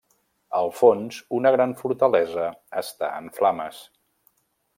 Al fons, una gran fortalesa està en flames.